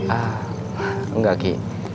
ah enggak ki